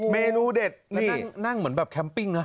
เมนูเด็ดนี่นั่งเหมือนแบบแคมปิ้งนะ